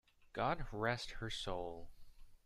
God rest her soul!